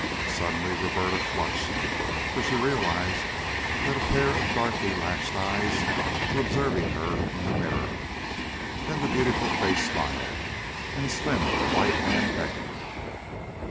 Suddenly Roberta flushed, for she realized that a pair of darkly lashed eyes were observing her in the mirror. Then the beautiful face smiled and a slim white hand beckoned.